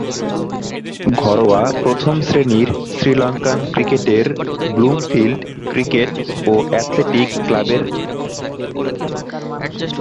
ঘরোয়া প্রথম-শ্রেণীর শ্রীলঙ্কান ক্রিকেটে ব্লুমফিল্ড ক্রিকেট ও অ্যাথলেটিক ক্লাবের প্রতিনিধিত্ব করেন।